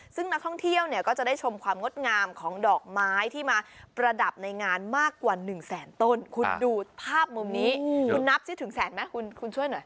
ซึ่งนักท่องเที่ยวเนี่ยก็จะได้ชมความงดงามของดอกไม้ที่มาประดับในงานมากกว่า๑แสนต้นคุณดูภาพมุมนี้คุณนับสิถึงแสนไหมคุณคุณช่วยหน่อย